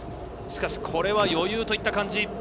これは余裕といった感じ。